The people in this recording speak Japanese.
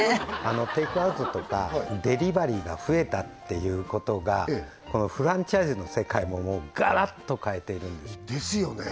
テイクアウトとかデリバリーが増えたっていうことがフランチャイズの世界もガラッと変えているんですですよね